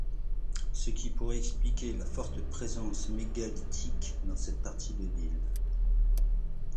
Ce qui pourrait expliquer la forte présence mégalithique dans cette partie de l'île.